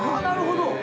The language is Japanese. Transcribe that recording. なるほど。